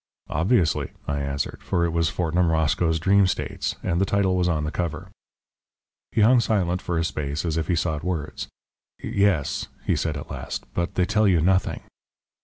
"Obviously," I answered, for it was Fortnum Roscoe's Dream States, and the title was on the cover. He hung silent for a space as if he sought words. "Yes," he said at last, "but they tell you nothing."